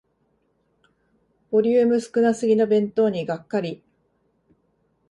ボリューム少なすぎの弁当にがっかり